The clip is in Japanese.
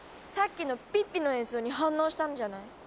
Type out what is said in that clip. さっきのピッピの演奏に反応したんじゃない？